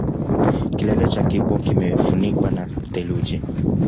Kilele cha kibo kimefunikwa na theluji